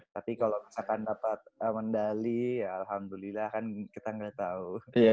tapi kalau misalkan dapat medali ya alhamdulillah kan kita nggak tahu